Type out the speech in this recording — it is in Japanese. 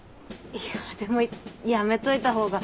いやでもやめといた方が。